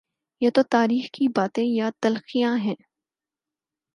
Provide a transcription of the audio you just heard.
یہ تو تاریخ کی باتیں یا تلخیاں ہیں۔